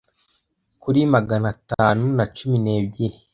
kuri maganatanu na cumi n’ebyiri